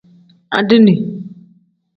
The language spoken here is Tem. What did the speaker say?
Adiini.